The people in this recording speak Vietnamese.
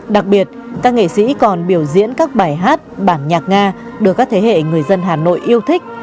đặc biệt các nghệ sĩ còn biểu diễn các bài hát bản nhạc nga đưa các thế hệ người dân hà nội yêu thích